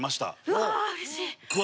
うわうれしい。